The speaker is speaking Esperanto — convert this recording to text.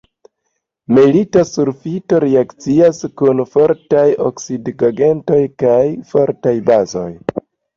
Metila sulfito reakcias kun fortaj oksidigagentoj kaj fortaj bazoj.